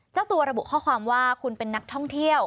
เจ้าตัวระบุข้อความว่าคุณเป็นนักท่องเที่ยว